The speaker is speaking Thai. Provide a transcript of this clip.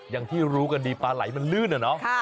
อย่างที่รู้กันดีปลาไหลมันลื่นอะเนาะ